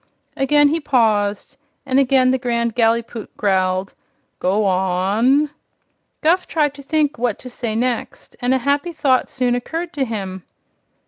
Again he paused, and again the Grand Gallipoot growled: "Go on!" Guph tried to think what to say next, and a happy thought soon occurred to him.